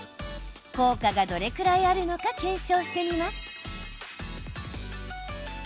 効果がどれくらいあるのか検証してみます。